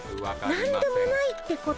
何でもないってことで。